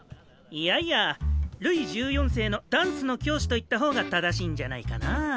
いやいやルイ１４世のダンスの教師と言った方が正しいんじゃないかなぁ。